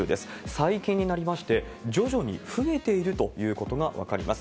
最近になりまして、徐々に増えているということが分かります。